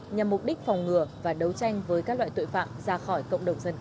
nhằm mục đích phòng ngừa và đấu tranh với các loại tội phạm ra khỏi cộng đồng dân cư